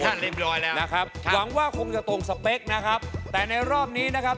เรียบร้อยแล้วนะครับหวังว่าคงจะตรงสเปคนะครับแต่ในรอบนี้นะครับ